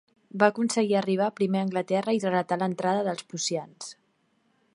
Va aconseguir arribar primer a Anglaterra i relatar l'entrada del prussians.